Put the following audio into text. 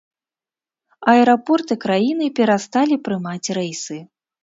Аэрапорты краіны перасталі прымаць рэйсы.